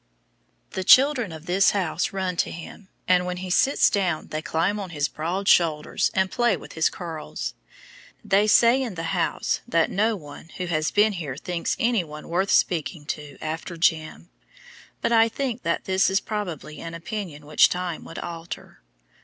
The children of this house run to him, and when he sits down they climb on his broad shoulders and play with his curls. They say in the house that "no one who has been here thinks any one worth speaking to after Jim," but I think that this is probably an opinion which time would alter.